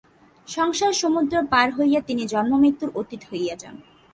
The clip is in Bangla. সংসার-সমুদ্র পার হইয়া তিনি জন্মমৃত্যুর অতীত হইয়া যান।